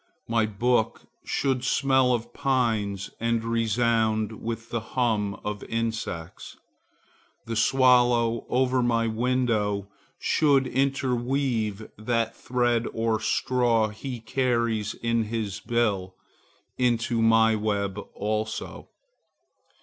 My book should smell of pines and resound with the hum of insects. The swallow over my window should interweave that thread or straw he carries in his bill into my web also.